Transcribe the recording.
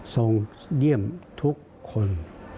ส่งเยี่ยมทุกคน